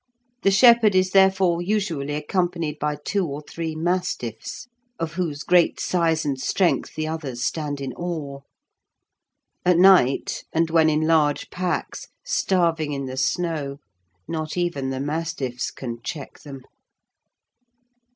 The shepherd is, therefore, usually accompanied by two or three mastiffs, of whose great size and strength the others stand in awe. At night, and when in large packs, starving in the snow, not even the mastiffs can check them.